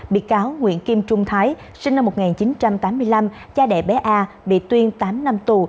bị cáo nguyễn kim trung thái sinh năm một nghìn chín trăm tám mươi năm cha đẻ bé a bị tuyên tám năm tù